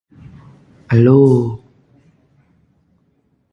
He was the second African American to be Secretary of Veterans Affairs.